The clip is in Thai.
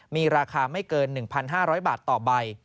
มีราคาไม่เกิน๑๕๐๐บาทต่อใบ